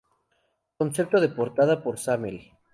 Concepto de portada por Samael.